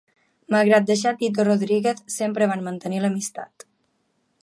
Malgrat deixar Tito Rodríguez, sempre van mantenir l'amistat.